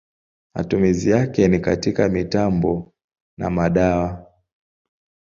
Matumizi yake ni katika mitambo na madawa.